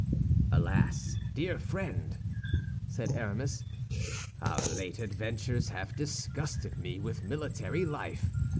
"Alas, dear friend!" said Aramis, "our late adventures have disgusted me with military life.